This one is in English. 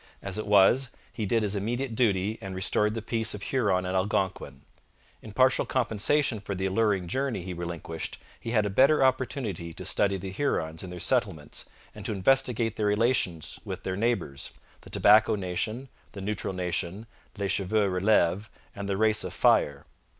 As it was, he did his immediate duty and restored the peace of Huron and Algonquin. In partial compensation for the alluring journey he relinquished, he had a better opportunity to study the Hurons in their settlements and to investigate their relations with their neighbours the Tobacco Nation, the Neutral Nation, les Cheveux Releves, and the Race of Fire.